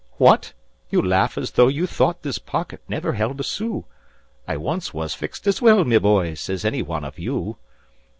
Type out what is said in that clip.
What? You laugh as if you thought this pocket never held a sou; I once was fixed as well, my boys, as any one of you.